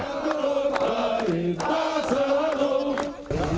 kepada dan korps brimob